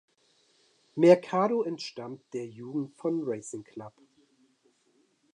Mercado entstammt der Jugend von Racing Club.